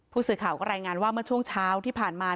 ผู้สื่อข่าวก็รายงานว่าเมื่อช่วงเช้าที่ผ่านมา